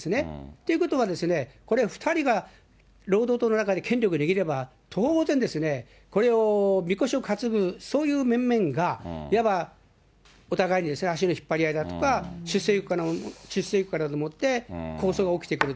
ということはですね、これ、２人が労働党の中で権力握れば、当然ですね、これをみこしを担ぐ、そういう面々が、いわばお互いに足の引っ張り合いだとか、でもって、抗争が起きてくると。